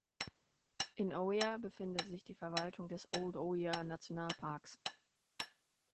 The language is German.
In Oyo befindet sich die Verwaltung des Old-Oyo-Nationalparks.